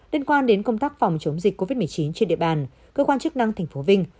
liên quan đến công tác phòng chống dịch covid một mươi chín trên địa bàn cơ quan chức năng tp vinh